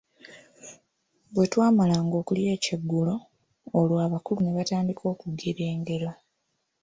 Bwetwamalanga okulya ekyeggulo, olwo abakulu ne batandika okugera engero.